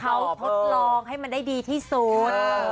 เขาทดลองให้มันได้ดีที่สุด